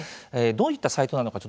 どういったサイトなのか